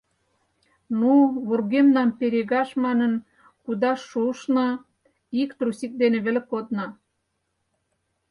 Ну, вургемнам перегаш манын, кудаш шуышна, ик трусик дене веле кодна.